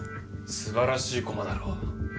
素晴らしい駒だろう。